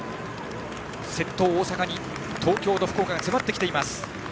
先頭、大阪に東京と福岡が迫ってきています。